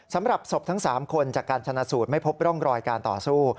สำหรับศพทั้ง๓คนจากการชนะสูตรไม่พบร่องรอยการต่อสู้